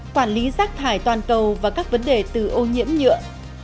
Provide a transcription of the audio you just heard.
quản lý rác thải toàn cầu và các vấn đề từ ô nhiễm nhựa